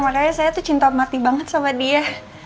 makanya saya tuh cinta mati banget sama dia